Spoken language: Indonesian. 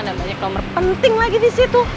aduh mana banyak nomor penting lagi di situ